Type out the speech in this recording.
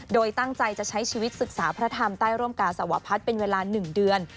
โดยตั้งใจจะใช้ชีวิตศึกษาพระธรรมใต้ร่มกาสวพัฒน์เป็นเวลา๑เดือน